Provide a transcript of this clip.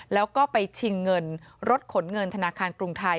แล้วก็ไปชิงเงินรถขนเงินธนาคารกรุงไทย